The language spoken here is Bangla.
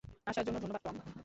আসার জন্য ধন্যবাদ, টম।